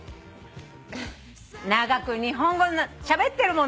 長く日本語しゃべってるもの。